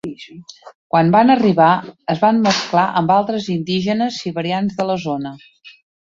Quan van arribar es van mesclar amb altres indígenes siberians de la zona.